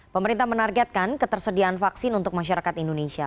pemerintah menargetkan ketersediaan vaksin untuk masyarakat indonesia